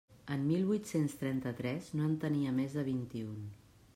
En mil vuit-cents trenta-tres no en tenia més de vint-i-un.